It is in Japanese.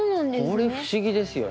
これ不思議ですよね。